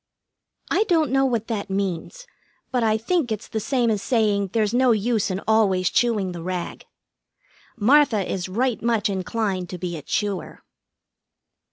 I don't know what that means, but I think it's the same as saying there's no use in always chewing the rag. Martha is right much inclined to be a chewer.